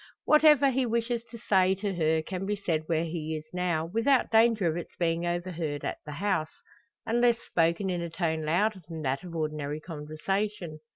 Whatever he wishes to say to her can be said where he now is, without danger of its being overheard at the house unless spoken in a tone louder than that of ordinary conversation.